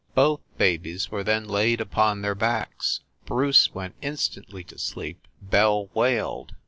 Both babies were then laid upon their backs. Bruce went instantly to sleep, Belle wailed.